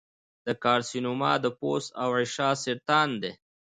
د کارسینوما د پوست او غشا سرطان دی.